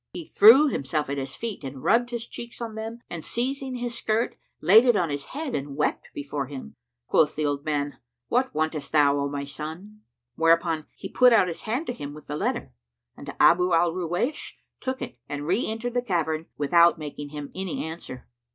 He threw himself at his feet and rubbed his cheeks on them and seizing his skirt, laid it on his head and wept before him. Quoth the old man, "What wantest thou, O my son?" Whereupon he put out his hand to him with the letter, and Abu al Ruwaysh took it and re entered the cavern, without making him any answer.